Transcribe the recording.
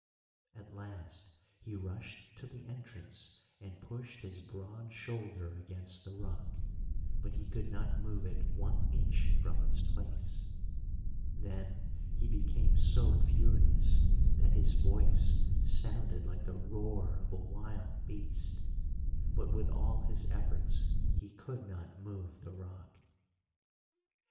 At last he rushed to the entrance, and pushed his broad shoulder against the rock, but he could not move it one inch from its place; then he became so furious that his voice sounded like the roar of a wild beast, but with all his efforts he could not move the rock.